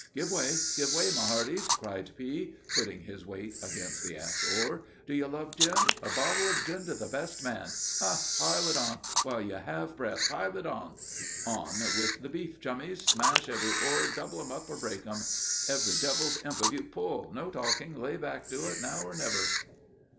"Give way! give way, my hearties!" cried P , putting his weight against the aft oar. "Do you love gin? A bottle of gin to the best man! Oh, pile it on, while you have breath! pile it on!" "On with the beef, chummies! Smash every oar! double 'em up or break 'em!" "Every devil's imp of you, pull! No talking; lay back to it; now or never!"